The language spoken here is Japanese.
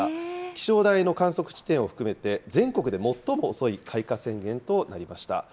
気象台の観測地点を含めて全国で最も遅い開花宣言となりました。